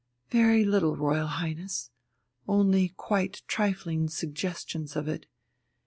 "Very little, Royal Highness. Only quite trifling suggestions of it.